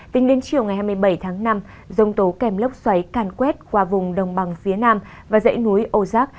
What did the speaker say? tính đến chiều ngày hai mươi bảy tháng năm dông tố kèm lốc xoáy càn quét qua vùng đồng bằng phía nam và dãy núi ổ rác